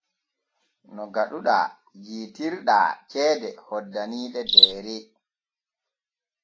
No gaɗuɗaa jittirɗaa ceede hoddaniiɗe Deere.